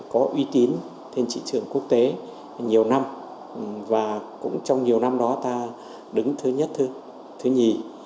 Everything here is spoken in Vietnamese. có uy tín trên trị trường quốc tế nhiều năm và cũng trong nhiều năm đó ta đứng thứ nhất thứ nhì